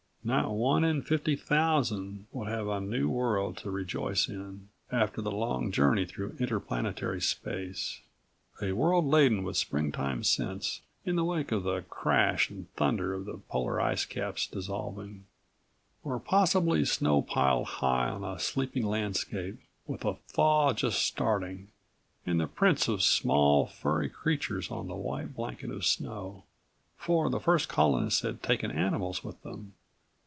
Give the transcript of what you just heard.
Not one in fifty thousand would have a new world to rejoice in, after the long journey through interplanetary space. A world laden with springtime scents, in the wake of the crash and thunder of the polar ice caps dissolving. Or possibly snow piled high on a sleeping landscape, with a thaw just starting, and the prints of small furry creatures on the white blanket of snow, for the first colonists had taken animals with them.